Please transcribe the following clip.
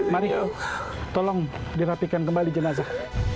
mari tolong dirapikan kembali jenazah